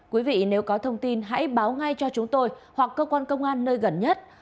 quý vị nếu có thông tin hãy báo ngay cho chúng tôi hoặc cơ quan công an nơi gần nhất